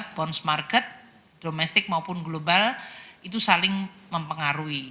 bondsmarket domestik maupun global itu saling mempengaruhi